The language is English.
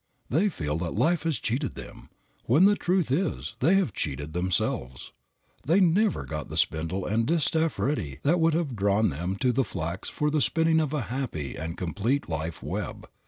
They feel that life has cheated them, when the truth is they have cheated themselves. They never got the spindle and distaff ready that would have drawn to them the flax for the spinning of a happy and complete life web.